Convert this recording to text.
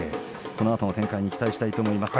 このあとの展開に期待したいと思います。